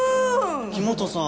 黄本さん！